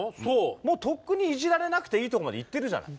もうとっくにいじられなくていいとこまでいってるじゃない。